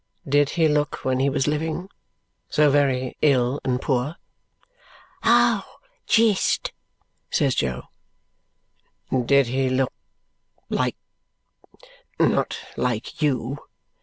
Did he look, when he was living, so very ill and poor?" "Oh, jist!" says Jo. "Did he look like not like YOU?"